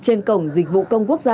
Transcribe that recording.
trên cổng dịch vụ công quốc gia